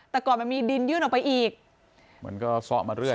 แต่ก่อนมันมีดินยื่นออกไปอีกมันก็ซ่อมาเรื่อย